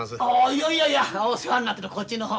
いやいやいやお世話になってるのはこっちの方。